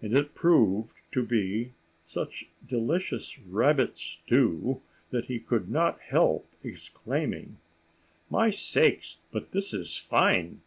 And it proved to be such delicious rabbit stew that he could not help exclaiming,— "My sakes, but this is fine!